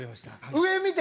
上見て。